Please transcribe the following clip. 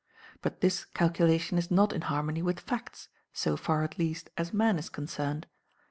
But this calculation is not in harmony with facts, so far, at least, as man is concerned.